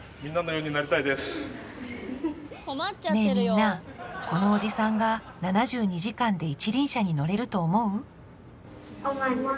ねえみんなこのおじさんが７２時間で一輪車に乗れると思う？